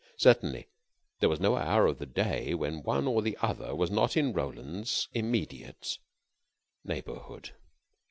Certainly there was no hour of the day when one or the other was not in Roland's immediate neighborhood.